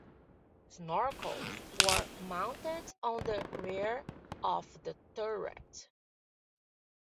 Snorkels were mounted on the rear of the turret.